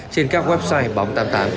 trên các website bóng tám mươi tám